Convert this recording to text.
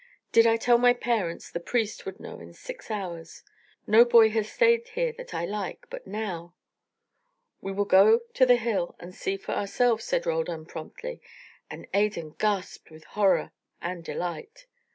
Did I tell my parents the priest would know in six hours. No boy has stayed here that I like. But now " "We will go to the hill and see for ourselves," said Roldan, promptly, and Adan gasped with horror and delight.